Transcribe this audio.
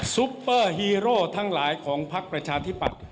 ซุปเปอร์ฮีโร่ทั้งหลายของพักประชาธิปัตย